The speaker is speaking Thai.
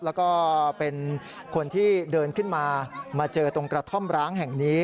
แล้วก็เป็นคนที่เดินขึ้นมามาเจอตรงกระท่อมร้างแห่งนี้